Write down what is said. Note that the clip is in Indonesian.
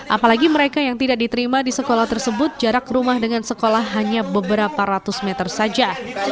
apalagi mereka yang tidak diterima di sekolah tersebut jarak rumah dengan sekolah hanya beberapa ratus meter saja